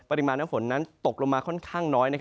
ปริมาณน้ำฝนนั้นตกลงมาค่อนข้างน้อย